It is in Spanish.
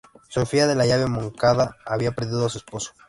Sofía de la Llave de Moncada, había perdido a su esposo.